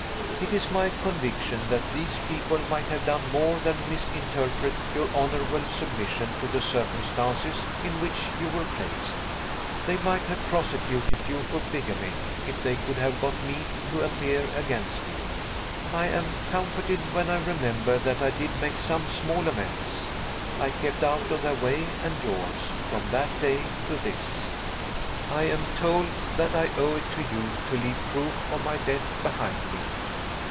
It is my conviction that these people might have done more than misinterpret your honorable submission to the circumstances in which you were placed. They might have prosecuted you for bigamy if they could have got me to appear against you. I am comforted when I remember that I did make some small amends. I kept out of their way and yours, from that day to this. I am told that I owe it to you to leave proof of my death behind me.